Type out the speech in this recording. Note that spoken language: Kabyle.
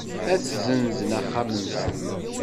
Ad ssenzen axxam-nsen.